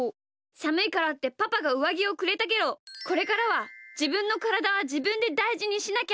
さむいからってパパがうわぎをくれたけどこれからはじぶんのからだはじぶんでだいじにしなきゃダメだな！